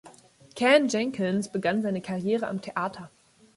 Ken Jenkins begann seine Karriere am Theater.